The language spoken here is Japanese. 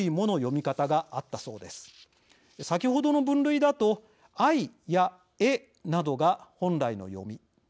先ほどの分類だと「アイ」や「エ」などが本来の読み。